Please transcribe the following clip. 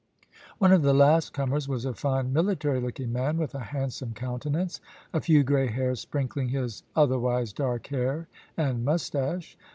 One of the last comers was a fine military looking man, with a handsome countenance, a few grey hairs sprinkling his otherwise dark hair and moustache.